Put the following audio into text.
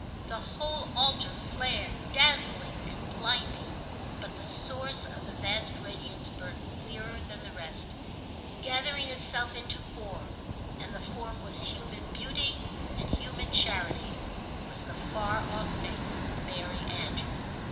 The whole altar flared—dazzling and blinding; but the source of the vast radiance burned clearer than the rest, gathering itself into form, and the form was human beauty and human charity, was the far off face of Mary Antrim.